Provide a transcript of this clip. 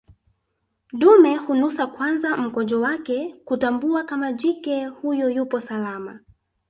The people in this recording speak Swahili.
Dume hunusa kwanza mkojo wake kutambua kama jike huyo yupo salama